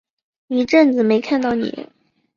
一阵子没看到妳